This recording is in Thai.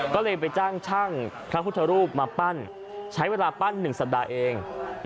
ก็เลยไปจ้างช่างพระพุทธรูปมาปั้นใช้เวลาปั้น๑สัปดาห์เอง